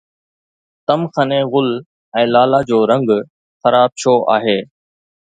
تمکن گل ۽ لالا جو رنگ خراب ڇو آهي؟